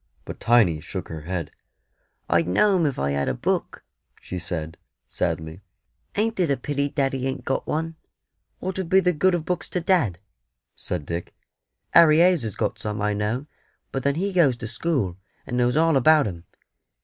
But Tiny shook her head. "I'd know 'em if I had a book," she said, sadly; "ain't it a pity daddy ain't got one?" "What 'ud be the good of books to dad?" said Dick. "Harry Hayes has got some, I know; but then he goes to school, and knows all about 'em.